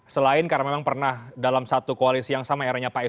selain karena memang pernah dalam satu koalisi yang sama era nya pak esok